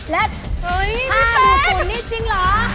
และ๕๐๐๐คิดจริงหรอ